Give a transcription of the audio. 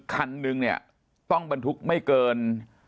คันนึงต้องบรรทุกไม่เกิน